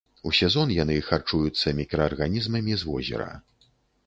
У сезон яны харчуюцца мікраарганізмамі з возера.